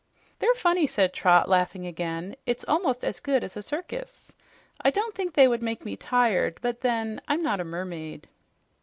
"They're funny," said Trot, laughing again. "It's almost as good as a circus. I don't think they would make me tired, but then I'm not a mermaid."